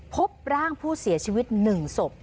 พบร่างผู้เสียชีวิต๑ศพ